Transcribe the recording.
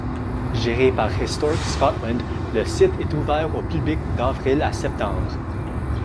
Géré par Historic Scotland, le site est ouvert au public d'avril à septembre.